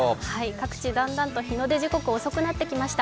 各地だんだんと日の出時刻が遅くなってきました。